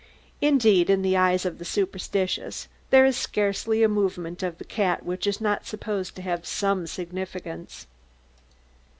Indeed, in the eyes of the superstitious, there is scarcely a movement of the cat which is not supposed to have some significance.